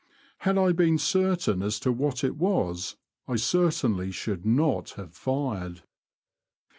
Had I been certain as to what it was I certainly should not have fired.